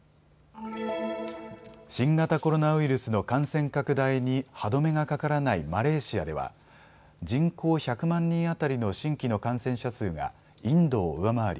新型コロナウイルスの感染拡大に歯止めがかからないマレーシアでは人口１００万人当たりの新規の感染者数がインドを上回り